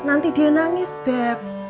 nanti dia nangis beb